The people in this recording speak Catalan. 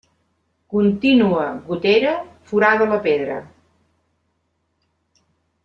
Contínua gotera forada la pedra.